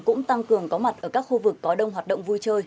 cũng tăng cường có mặt ở các khu vực có đông hoạt động vui chơi